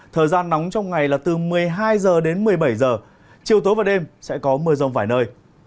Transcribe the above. thời gian nóng trong ngày là từ một mươi hai h đến một mươi bảy h chiều tối và đêm sẽ có mưa rông vài nơi